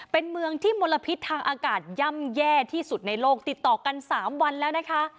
เป็นเมืองที่มลพิษทางอากาศย่ำแย่ที่สุดในโลกติดต่อกัน๓วันแล้วนะคะ